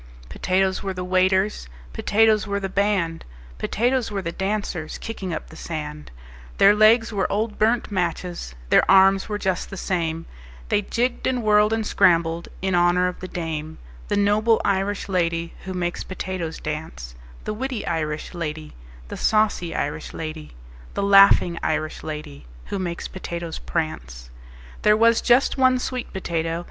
"Potatoes were the waiters, Potatoes were the band, Potatoes were the dancers Kicking up the sand: Their legs were old burnt matches, Their arms were just the same, They jigged and whirled and scrambled In honor of the dame: The noble Irish lady Who makes potatoes dance, The witty Irish lady, The saucy Irish lady, The laughing Irish lady Who makes potatoes prance. "There was just one sweet potato.